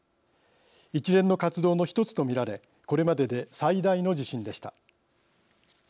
一連の活動の一つと見られこれまでで最大の地震でした。